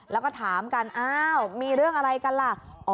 แล้วก็ถามกันอ้าวมีเรื่องอะไรกันล่ะ